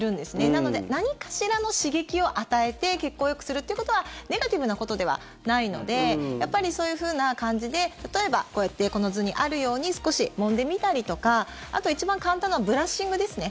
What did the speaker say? なので、何かしらの刺激を与えて血行をよくするということはネガティブなことではないのでそういうふうな感じで例えばこうやってこの図にあるように少しもんでみたりとかあと、一番簡単なのはブラッシングですね。